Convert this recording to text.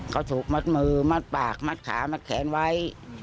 เขาถูกมัดมือมัดปากมัดขามัดแขนไว้